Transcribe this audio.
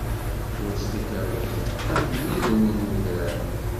Iweṣṣf-ik Ṛebbi am widen n wudrar.